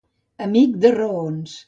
Amic de raons.